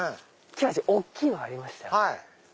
大きいのありましたよね。